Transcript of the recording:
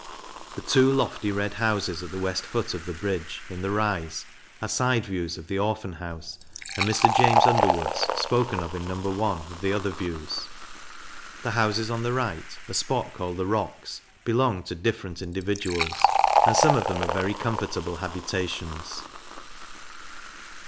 The two lofty red houses at the west foot of the Bridge, in the rise, are side views of the Orphan house and Mr. James Underwood's, spoken of in No. I. of the other Views. The houses on the right, a spot called the Rocks, belong to different individuals, and some of them are very comfortable habitations.